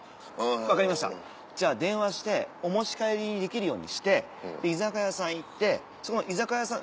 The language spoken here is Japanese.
分かりましたじゃあ電話してお持ち帰りできるようにして居酒屋さん行って居酒屋さん